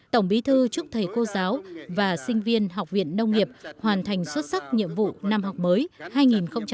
tổng bí thư chúc thầy cô giáo và sinh viên học viện nông nghiệp hoàn thành xuất sắc nhiệm vụ năm học mới hai nghìn một mươi tám hai nghìn một mươi chín